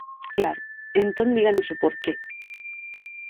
Claro, entón díganos o porqué.